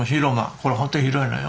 これ本当広いのよ。